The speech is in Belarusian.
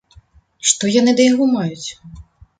Што яны да яго маюць?